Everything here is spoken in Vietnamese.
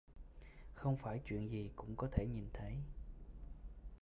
Không phải chuyện gì cũng có thể nhìn thấy